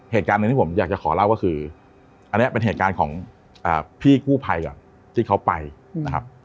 เหตุการณ์หนึ่งที่ผมอยากจะขอเล่าก็คืออันนี้เป็นเหตุการณ์ของพี่กู้ภัยก่อนที่เขาไปนะครับ